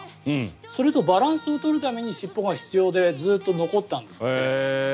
それとバランスを取るために尻尾が必要でずっと残ったんですって。